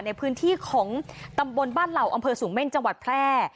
ในพื้นที่ของตำบลบ้านเหล่าอำเภอสูงเม่นจังหวัดแพร่